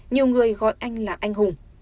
nhiều người gọi anh là anh hùng